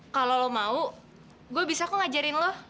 kalau lu mau gue bisa kok ngajarin lu